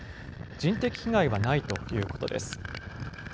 人的被害はないということです。